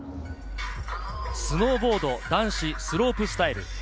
スノーボード男子スロープスタイル。